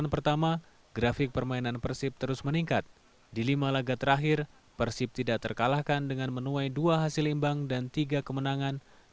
pertama kali persib menang